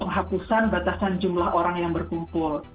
penghapusan batasan jumlah orang yang berkumpul